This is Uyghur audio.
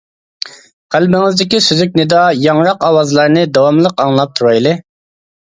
قەلبىڭىزدىكى سۈزۈك نىدا، ياڭراق ئاۋازلارنى داۋاملىق ئاڭلاپ تۇرايلى.